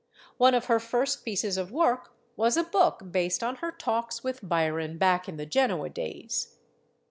One of her first pieces of work was a book based on her talks with Byron, back in the Genoa days.